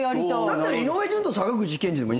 だったら井上順と坂口憲二でもいい。